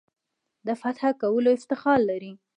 د فتح کولو افتخار لري.